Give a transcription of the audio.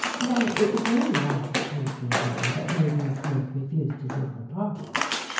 Now it was no lack of patriotism that made Miss Mink refuse to do her part.